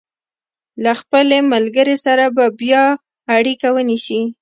له خپلې ملګرې سره به بیا اړیکه ونیسي.